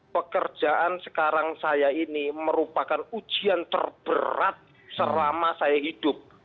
pekerjaan sekarang saya ini merupakan ujian terberat selama saya hidup